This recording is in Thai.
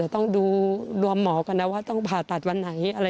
เขาบอกเราดูรวมหมอกันนะว่าต้องผ่าตัดวันไหนอะไรอย่างไร